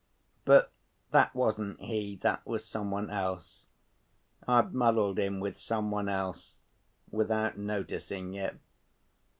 But that wasn't he, that was some one else. I've muddled him with some one else ... without noticing it.